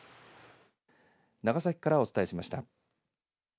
長崎からお伝えしました。